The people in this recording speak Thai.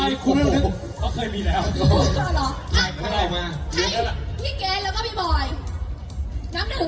ก็เคยมีแล้ว